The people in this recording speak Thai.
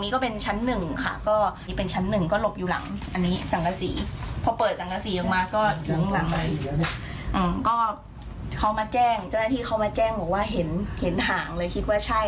ก็เขามาแจ้งเจ้าหน้าที่เขามาแจ้งบอกว่าเห็นห่างเลยคิดว่าใช่